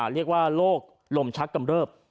เรียกว่าโรคลมชักกำเริบ